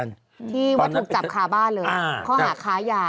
เอมี่ที่วันทุกจับค่าบ้านเลยเขาหาค้ายา